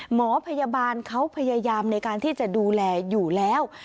หมอพยาบาลเขาพยายามในการที่จะดูแลอยู่แล้ว